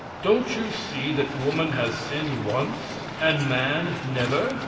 Don't you see that woman has sinned once, and man never?